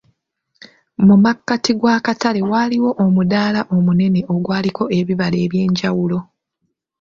Mu makkati g'akatale waaliwo omudaala omunene ogwaliko ebibala eby'enjawulo.